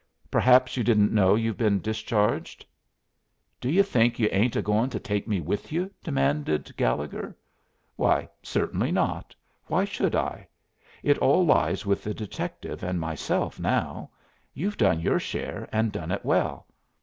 Perhaps you didn't know you've been discharged?" "Do you think you ain't a going to take me with you?" demanded Gallegher. "Why, certainly not. Why should I? It all lies with the detective and myself now. You've done your share, and done it well.